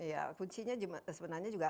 ya fungsinya sebenarnya juga